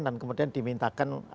dan kemudian dimintakan